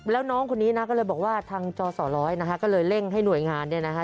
แล้วน้องคนนี้นะก็เลยบอกว่าทางจอสร้อยนะคะก็เลยเร่งให้หน่วยงานเนี่ยนะคะ